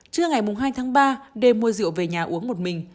trưa ngày hai tháng ba đêm mua rượu về nhà uống một mình